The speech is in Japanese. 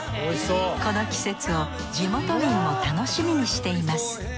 この季節を地元民も楽しみにしています。